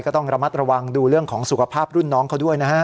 ก็ต้องระมัดระวังดูเรื่องของสุขภาพรุ่นน้องเขาด้วยนะฮะ